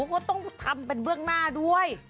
ก็ต้องทำเป็นเบื้องหน้าด้วย